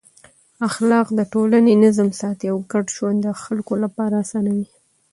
اخلاق د ټولنې نظم ساتي او ګډ ژوند د خلکو لپاره اسانوي.